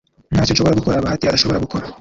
Ntacyo nshobora gukora Bahati adashobora gukora